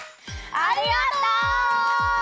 ありがとう！